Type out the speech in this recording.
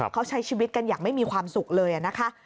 เขาใช้ชีวิตกันอย่างไม่มีความสุขเลยนะคะ